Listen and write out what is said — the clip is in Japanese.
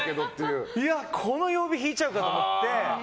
この曜日引いちゃうかと思って。